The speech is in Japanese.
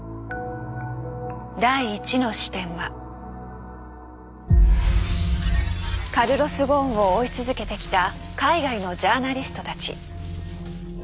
第１の視点はカルロス・ゴーンを追い続けてきた海外のジャーナリストたち。